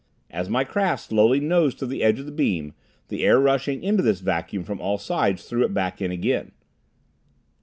As my craft slowly nosed to the edge of the beam, the air rushing into this vacuum from all sides threw it back in again.